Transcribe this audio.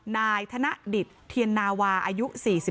นายธนดิตเทียนนาวาอายุ๔๒